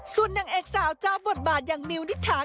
ส่วนนางเอกสาวเจ้าบทบาทอย่างมิวนิษฐา